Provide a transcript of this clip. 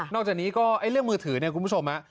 อกจากนี้ก็เรื่องมือถือเนี่ยคุณผู้ชม